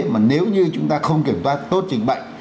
mà nếu như chúng ta không kiểm soát tốt dịch bệnh